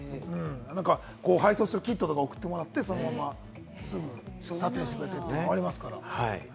配送するキットとか送ってもらって、そのままね、査定してくれてってありますから。